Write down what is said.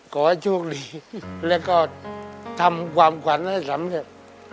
ขอให้โชคดีแล้วก็ทำความขวัญให้สำเร็จ